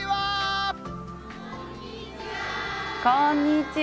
こんにちは。